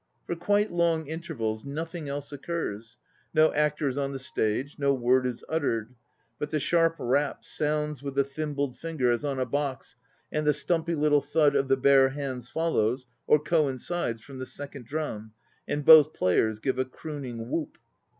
For quite long intervals nothing else occurs. No actor is on the stage, no word is uttered, but the sharp rap sounds with the thimbled finger as on a box and the stumpy little thud of the bare hands follows, or coincides, from the second drum and both players give a crooning whoop.